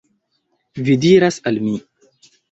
Vi diras al mi